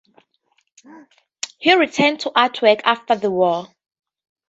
He returned to artwork after the war.